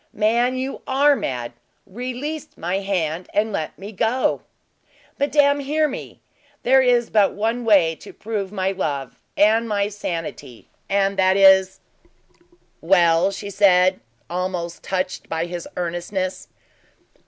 "Man, you are mad! Release my hand and let me go!" "Madame, hear me. There is but one way to prove my love, and my sanity, and that is " "Well?" she said, almost touched by his earnestness.